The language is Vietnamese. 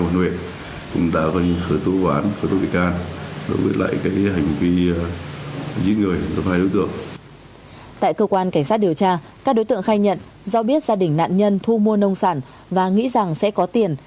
tại công an huyện đắk gờ long các đối tượng khai nhận do biết gia đình nạn nhân thu mua nông sản và nghĩ rằng sẽ có tiền